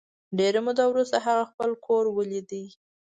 ډېره موده وروسته هغه خپل کور ولید